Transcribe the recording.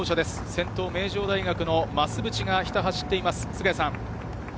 先頭、名城大学の増渕がひた走っています。